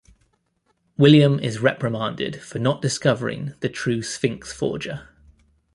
William is reprimanded for not discovering the true Sphinx forger.